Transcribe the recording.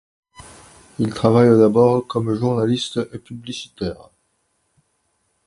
Il travaille d'abord comme journaliste et publicitaire.